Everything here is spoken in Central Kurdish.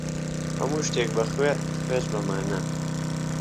ههموو شتێک به خوێ، خوێش به مانا